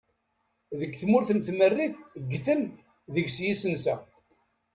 Deg tmurt n tmerrit ggten deg-s yisensa.